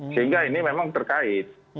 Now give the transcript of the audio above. sehingga ini memang terkait